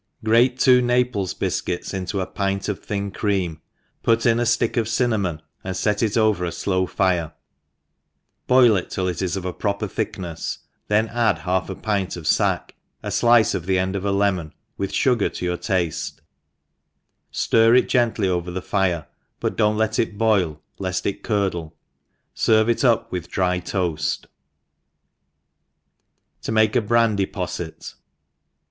GRATE two Naples bifcuits into a pint of thincfcam, put in a ftick of cipuamon, and/et it ov^r a flow fire, boil it till it is of a proper thi^knefs ; then add half a pint of fack, a Qice of the end of a lemon, with fugar to your tafte s ftir It gently over the fire,, but ^q not let it boi| Jeft it curdle, ferveit up lyith.dry toaftf To make a Brandy Possjet.